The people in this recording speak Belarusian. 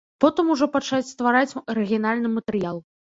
Потым ужо пачаць ствараць арыгінальны матэрыял.